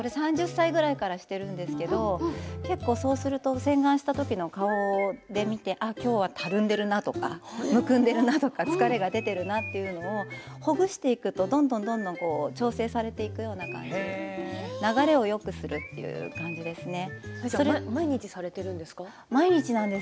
３０歳ぐらいからしているんですけど結構そうすると洗顔したときの顔、見てきょうはたるんでいるなとかむくんでいるなとか疲れが出ているなというのをほぐしていくとどんどん調整されていくような感じで流れをよくするという感じですね。